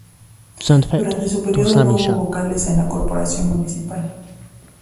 Durante su período, no hubo vocales en la corporación municipal.